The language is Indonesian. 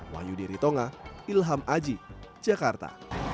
wayudiri tonga ilham aji jakarta